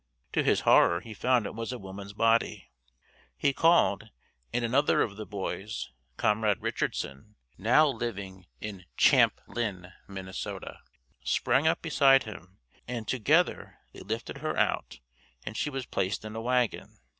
To his horror he found it was a woman's body. He called and another of the boys, Comrade Richardson, now living in Champlin, Minn., sprang up beside him and together they lifted her out and she was placed in a wagon.